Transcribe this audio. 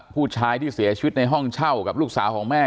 ผู้ชายที่เสียชีวิตในห้องเช่ากับลูกสาวของแม่